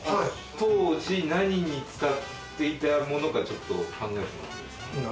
当時、何に使っていたものかちょっと考えてもらっていいですか？